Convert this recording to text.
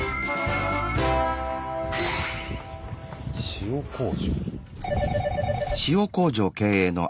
塩工場。